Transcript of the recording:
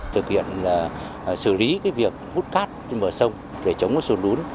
thực hiện là xử lý cái việc hút cát trên bờ sông để chống sụt đún